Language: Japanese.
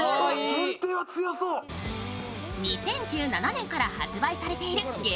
２０１７年から発売されている激